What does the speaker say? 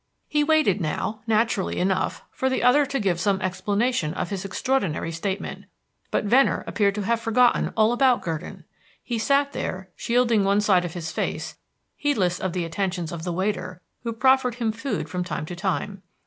He waited now, naturally enough, for the other to give some explanation of his extraordinary statement, but Venner appeared to have forgotten all about Gurdon. He sat there shielding one side of his face, heedless of the attentions of the waiter, who proffered him food from time to time.